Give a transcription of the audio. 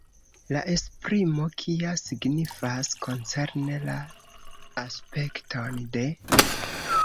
La esprimo “kia” signifas "koncerne la aspekton de".